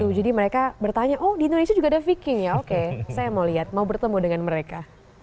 jadi mereka bertanya oh di indonesia juga ada viking ya oke saya mau lihat mau bertemu dengan mereka